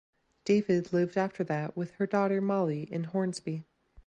David lived after that with her daughter Molly in Hornsby.